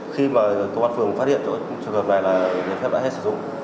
khi mà công an phường phát hiện trường hợp này là giấy phép đã hết sử dụng